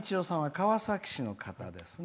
川崎市の方です。